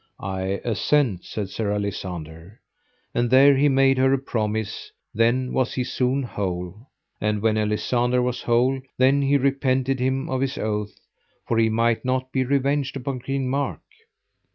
I assent, said Sir Alisander. And there he made her a promise: then was he soon whole. And when Alisander was whole, then he repented him of his oath, for he might not be revenged upon King Mark.